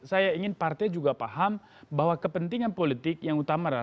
saya ingin partai juga paham bahwa kepentingan politik yang utama adalah